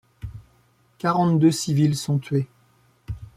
Quarante-deux civils sont tués.